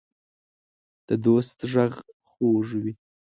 د دوست غږ خوږ وي.